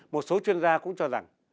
một số chuyên gia cũng cho rằng